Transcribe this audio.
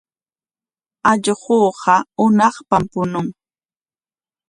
Allquuqa hunaqpam puñun.